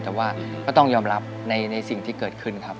แต่ว่าก็ต้องยอมรับในสิ่งที่เกิดขึ้นครับ